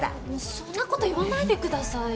そんなこと言わないでくださいよ。